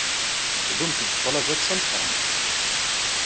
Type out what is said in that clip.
Tuwyemt-d ḍḍlaba d tameqrant.